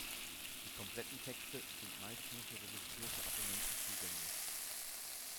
Die kompletten Texte sind meist nur für registrierte Abonnenten zugänglich.